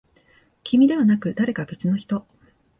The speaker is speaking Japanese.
君ではなく、誰か別の人。